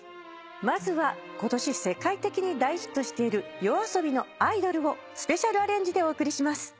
まずは今年世界的に大ヒットしているＹＯＡＳＯＢＩの『アイドル』をスペシャルアレンジでお送りします。